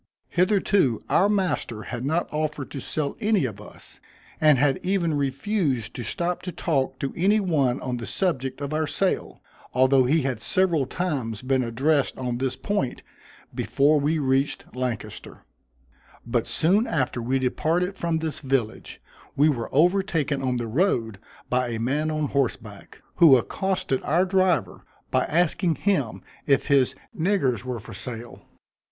Hitherto our master had not offered to sell any of us, and had even refused to stop to talk to any one on the subject of our sale, although he had several times been addressed on this point, before we reached Lancaster; but soon after we departed from this village, we were overtaken on the road by a man on horseback, who accosted our driver by asking him if his niggars were for sale.